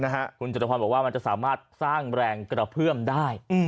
คุณจตุพรบอกว่ามันจะสามารถสร้างแรงกระเพื่อมได้